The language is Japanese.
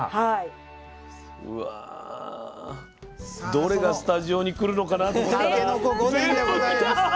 どれがスタジオに来るのかなと思ったら全部来た！